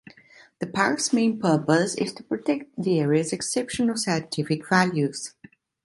The park's main purpose is to protect the area's exceptional scientific values.